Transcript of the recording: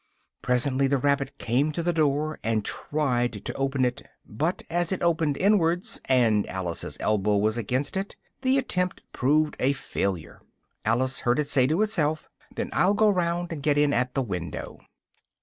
Presently the rabbit came to the door, and tried to open it, but as it opened inwards, and Alice's elbow was against it, the attempt proved a failure. Alice heard it say to itself "then I'll go round and get in at the window."